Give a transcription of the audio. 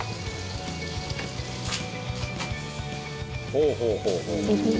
「ほうほうほうほう！」